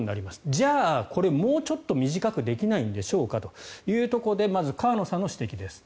じゃあ、これもうちょっと短くできないんでしょうかというところでまず河野さんの指摘です。